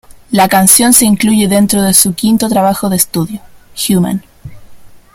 La canción se incluye dentro de su quinto trabajo de estudio "Human".